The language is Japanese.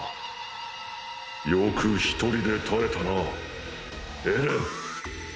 よく一人で耐えたなエレン。